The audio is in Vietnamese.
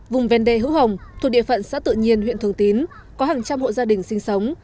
vùng ven đê hữu hồng thuộc địa phận xã tự nhiên huyện thường tín có hàng trăm hộ gia đình sinh sống